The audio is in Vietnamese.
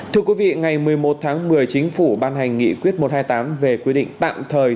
thưa quý vị ngày một mươi một tháng một mươi chính phủ ban hành nghị quyết một trăm hai mươi tám về quy định tạm thời